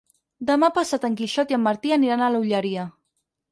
Demà passat en Quixot i en Martí aniran a l'Olleria.